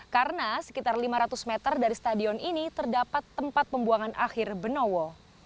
karena sekitar lima ratus meter dari stadion ini terdapat tempat pembuangan akhir benowo